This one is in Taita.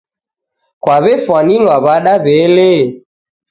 Kwaw'efwanilwa w'ada w'ele.